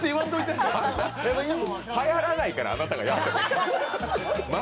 はやらないから、あなたがやっても。